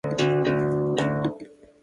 バイエルン自由州の州都はミュンヘンである